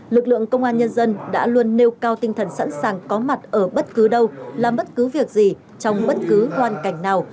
lực lượng công an nhân dân đã luôn nêu cao tinh thần sẵn sàng có mặt ở bất cứ đâu làm bất cứ việc gì trong bất cứ hoàn cảnh nào